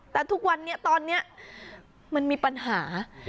แต่ทุกวันนี้ตอนนี้มันมีปัญหา